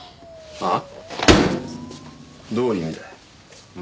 ああ？